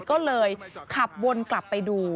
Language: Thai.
ก็เลยขับวนกลับไปดู